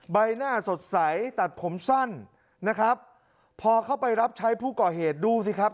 ใบหน้าสดใสตัดผมสั้นนะครับพอเข้าไปรับใช้ผู้ก่อเหตุดูสิครับ